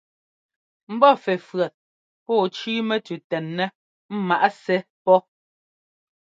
Mbɔ́ fʉ́fʉ́ét pɔ̌ɔ cʉ́ʉ mɛtʉʉ tɛnɛ́ ŋmǎʼ sɛ́ pɔ́.